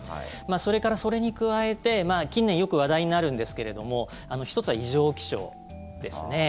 それから、それに加えて近年よく話題になるんですけども１つは異常気象ですね。